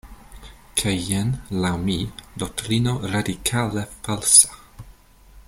Kaj jen, laŭ mi, doktrino radikale falsa"".